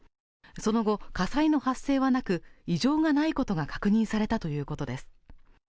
その後、火災の発生はなく、異常がないことが確認されたということです。